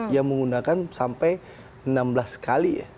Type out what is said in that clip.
yang menggunakan sampai enam belas kali ya